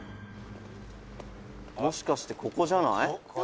「もしかしてここじゃない？」